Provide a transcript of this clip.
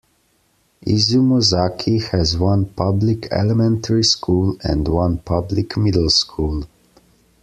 Izumozaki has one public elementary school and one public middle school.